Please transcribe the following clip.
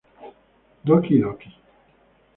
Doki Doki!